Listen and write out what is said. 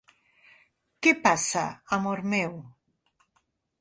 Què passa, amor meu?